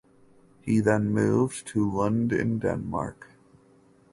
He then moved to Lund in Denmark.